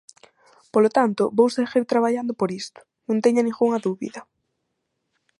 Polo tanto, vou seguir traballando por isto, non teña ningunha dúbida.